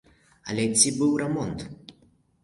Але ці быў рамонт?